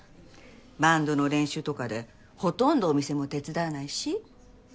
バンドの練習とかでほとんどお店も手伝わないし。